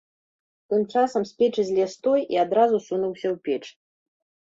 Тым часам з печы злез той і адразу сунуўся ў печ.